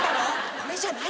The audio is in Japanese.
これじゃない。